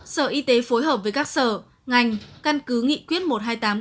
sở y tế phối hợp với các sở ngành căn cứ nghị quyết một trăm hai mươi tám của tp hồ chí minh